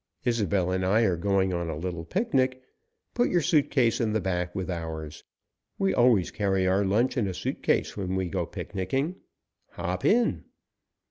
Isobel and I are going on a little picnic. Put your suit case in the back, with ours. We always carry our lunch in a suit case when we go picnicing. Hop in!"